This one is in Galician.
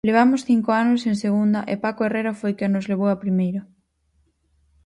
Levamos cinco anos en Segunda e Paco Herrera foi quen nos levou a Primeira.